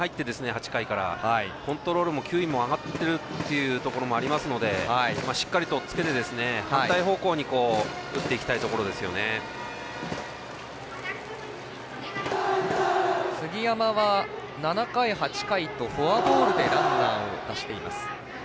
８回から、コントロールも球威も上がってるところもありますのでしっかりとおっつけて反対方向に杉山は７回、８回とフォアボールでランナーを出しています。